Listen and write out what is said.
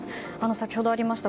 先ほどありました